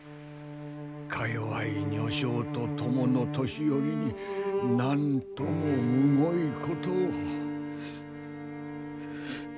かよわい女性と供の年寄りになんともむごいことを。